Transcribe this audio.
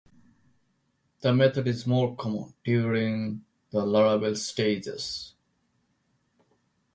This method is more common during the larval stages.